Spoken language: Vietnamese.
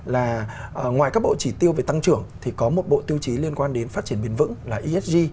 là ngoài các bộ chỉ tiêu về tăng trưởng thì có một bộ tiêu chí liên quan đến phát triển bền vững là esg